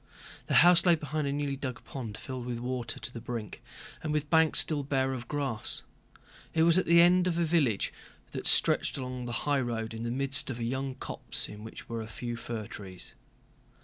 The house lay behind a newly dug pond filled with water to the brink and with banks still bare of grass. It was at the end of a village that stretched along the highroad in the midst of a young copse in which were a few fir trees.